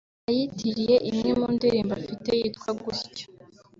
ayitiriye imwe mu ndirimbo afite yitwa gutyo